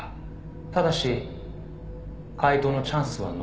「ただし解答のチャンスは残り１回」